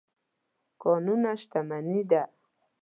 کانونه شتمني ده.